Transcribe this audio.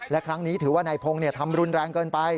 และครั้งนี้ถือว่านายพงศ์ทำรุนแรงเกินไป